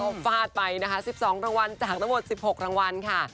เขาฟาดไปนะคะ๑๒รางวัลจากทั้งหมด๑๖รางวัลค่ะ